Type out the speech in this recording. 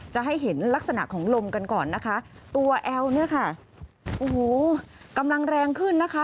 จะให้เห็นลักษณะของลมกันก่อนนะคะตัวแอลเนี่ยค่ะโอ้โหกำลังแรงขึ้นนะคะ